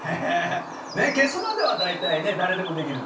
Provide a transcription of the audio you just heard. ねっ消すまでは大体ね誰でもできるんです。